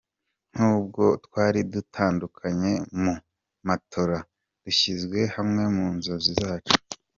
Nubwo twari dutandukanye mu matora, dushyize hamwe mu nzozi zacu.